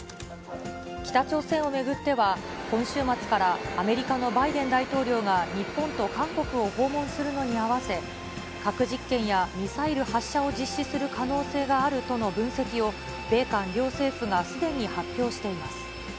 北朝鮮を巡っては、今週末からアメリカのバイデン大統領が日本と韓国を訪問するのに合わせ、核実験やミサイル発射を実施する可能性があるとの分析を、米韓両政府がすでに発表しています。